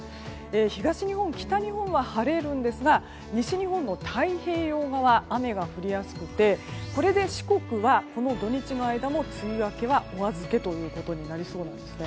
東日本、北日本は晴れますが西日本の太平洋側は雨が降りやすくてこれで四国はこの土日の間の梅雨明けはお預けとなりそうなんです。